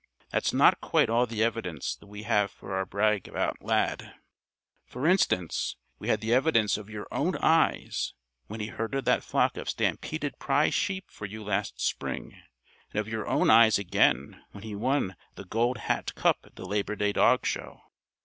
That's not quite all the evidence that we have for our brag about Lad. For instance, we had the evidence of your own eyes when he herded that flock of stampeded prize sheep for you last spring, and of your own eyes again when he won the 'Gold Hat' cup at the Labor Day Dog Show.